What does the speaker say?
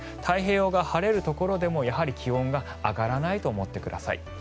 太平洋側、晴れるところでも気温が上がらないと思ってください。